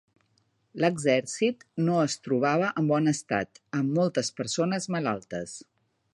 L"exèrcit no es trobava en bon estat, amb moltes persones malaltes.